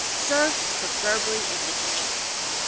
Serve preferably in the kitchen.